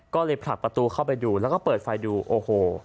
ก็เลยผลักประตูเข้าไปดูแล้วก็เปิดไฟดูโอ้โห